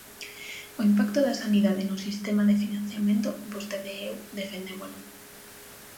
O impacto da sanidade no sistema de financiamento, vostede e eu defendémolo.